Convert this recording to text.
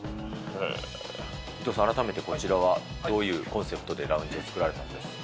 伊藤さん、改めてこちらはどういうコンセプトでラウンジを作られたんですか？